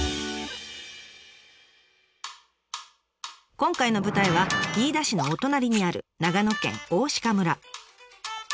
今回の舞台は飯田市のお隣にある長野県大鹿村。